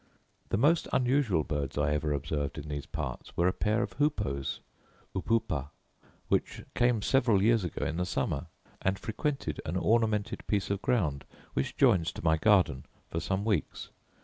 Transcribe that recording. The most unusual birds I ever observed in these parts were a pair of hoopoes (upupa) which came several years ago in the summer, and frequented an ornamented piece of ground, which joins to my garden, for some weeks.